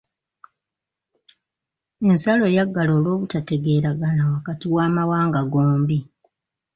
Ensalo yaggalwa olw'obutategeeragana wakati w'amawanga gombi.